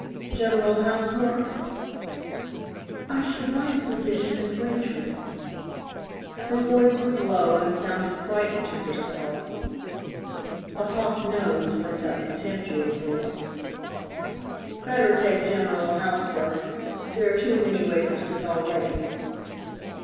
General housework?" "I should like a position as waitress." Her voice was low and sounded frightened to herself. The hawk nose went up contemptuously. "Better take general housework. There are too many waitresses already."